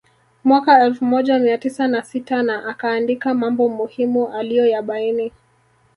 Mwaka elfu moja mia tisa na sita na akaandika mambo muhimu aliyoyabaini